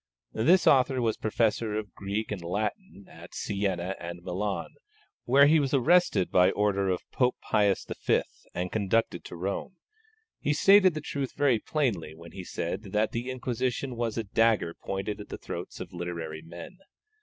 This author was Professor of Greek and Latin at Sienna and Milan, where he was arrested by order of Pope Pius V. and conducted to Rome. He stated the truth very plainly when he said that the Inquisition was a dagger pointed at the throats of literary men.